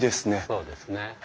そうですね。